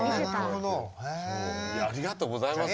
ありがとうございます。